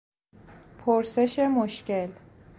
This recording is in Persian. پرسش مشکل